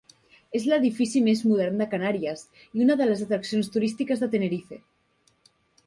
És l'edifici més modern de Canàries i una de les atraccions turístiques de Tenerife.